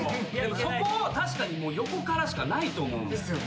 そこを確かに横からしかないと思う。ですよね。